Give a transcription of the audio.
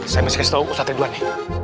saya mau kasih tau ustadz ridwan nih